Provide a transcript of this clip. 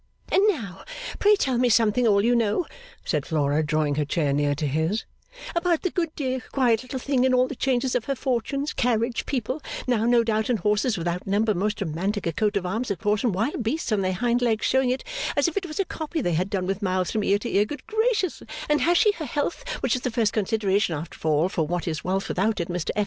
'And now pray tell me something all you know,' said Flora, drawing her chair near to his, 'about the good dear quiet little thing and all the changes of her fortunes carriage people now no doubt and horses without number most romantic, a coat of arms of course and wild beasts on their hind legs showing it as if it was a copy they had done with mouths from ear to ear good gracious, and has she her health which is the first consideration after all for what is wealth without it Mr F.